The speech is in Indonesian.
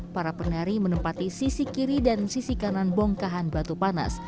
para penari menempati sisi kiri dan sisi kanan bongkahan batu panas